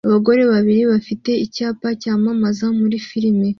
Abagore babiri bafite icyapa cyamamaza muri firime